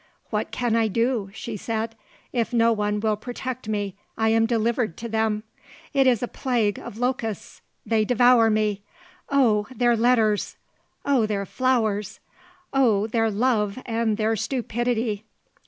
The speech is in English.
"What can I do?" she said. "If no one will protect me I am delivered to them. It is a plague of locusts. They devour me. Oh their letters! Oh their flowers! Oh their love and their stupidity!